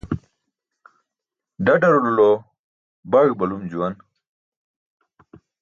ḍaḍarulo baý baluum juwan.